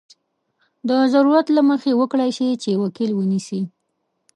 د ضرورت له مخې وکړای شي چې وکیل ونیسي.